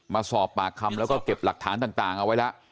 มาสอบปากคำแล้วก็เก็บหลักฐานต่างเอาไว้แล้ว